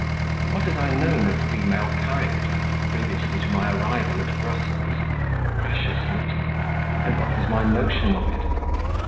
What had I known of female character previously to my arrival at Brussels? Precious little. And what was my notion of it?